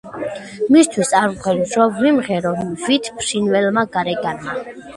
მისთვის არ ვმღერ რომ ვიმღერო ვით ფრინველმა გარეგანმა.